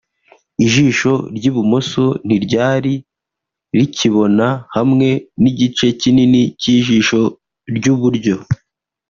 Ijisho ry’ibumoso ntiryari rikibona hamwe n’igice kinini cy’ijisho ry’uburyo